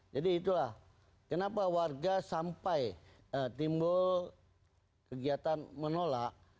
jadi itulah kenapa warga sampai timbul kegiatan menolak